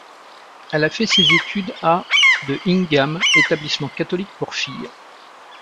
Elle a fait ses études à l' de Hingham, établissement catholique pour filles.